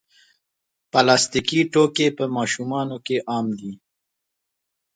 پلاستيکي توکي په ماشومانو کې عام دي.